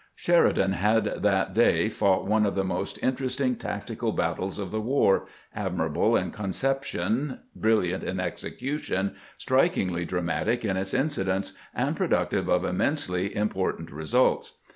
Sheridan had that day fought one of the most inter esting tactical battles of the war, admirable in concep tion, brilliant in execution, strikingly dramatic in its incidents, and productive of immensely important re sults.